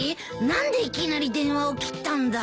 何でいきなり電話を切ったんだ？